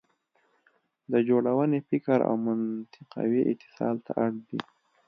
د جوړونې فکر او منطقوي اتصال ته اړ دی.